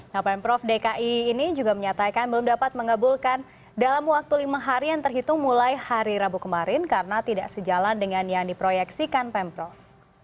nah pemprov dki ini juga menyatakan belum dapat mengabulkan dalam waktu lima hari yang terhitung mulai hari rabu kemarin karena tidak sejalan dengan yang diproyeksikan pemprov